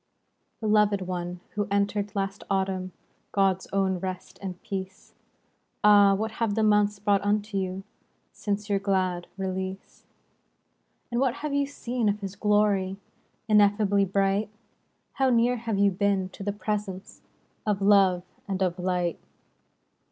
ELOVED one, who entered, last Autumn, God's own rest and peace, Ah ] what have the months brought unto you Since your glad release ? And what have you seen of His glory, Ineffably bright? How near have you been to the Presence Of love and of light